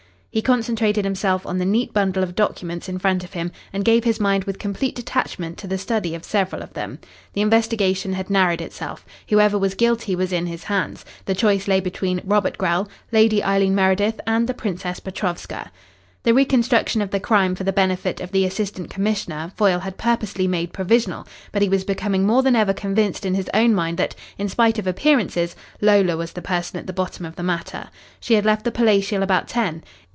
He concentrated himself on the neat bundle of documents in front of him, and gave his mind with complete detachment to the study of several of them. The investigation had narrowed itself. Whoever was guilty was in his hands. The choice lay between Robert Grell, Lady Eileen Meredith, and the Princess Petrovska. The reconstruction of the crime for the benefit of the Assistant Commissioner, Foyle had purposely made provisional, but he was becoming more than ever convinced in his own mind that, in spite of appearances, Lola was the person at the bottom of the matter. She had left the Palatial about ten.